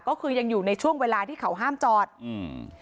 ก็คือยังอยู่ในช่วงเวลาที่เขาห้ามจอดอืม